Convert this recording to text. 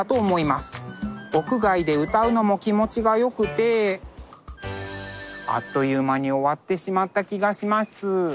屋外で歌うのも気持ちがよくてあっという間に終わってしまった気がします。